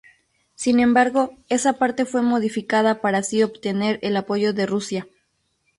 Sin embargo, esa parte fue modificada para así obtener el apoyo de Rusia.